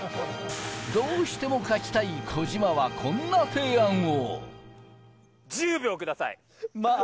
どうしても勝ちたい小島はこんな提案を。